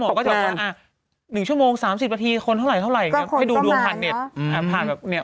แม่หมอก็จะบอกว่า๑ชั่วโมง๓๐ประทีคนเท่าไหร่ให้ดูดวงผ่านเน็ต